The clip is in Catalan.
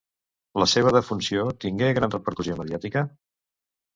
La seva defunció tingué gran repercussió mediàtica?